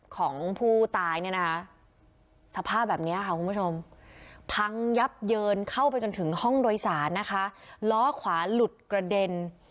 ของผู้ตายเนี่ยนะคะสภาพแบบนี้ค่ะคุณผู้ชมพังยับเยินเข้าไปจนถึงห้องโดยสารนะคะล้อขวาหลุดกระเด็น